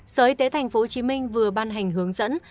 sở y tế tp hcm vừa ban hành hướng dẫn